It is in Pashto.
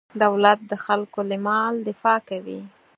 دولت د خلکو له مال دفاع کوي.